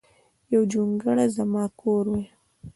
یو جونګړه ځما کور وای